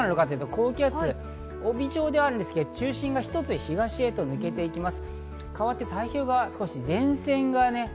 高気圧、帯状ではあるのですが、中心が一つ東へ抜けます。